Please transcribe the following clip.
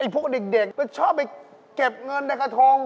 พวกเด็กชอบไปเก็บเงินในกระทง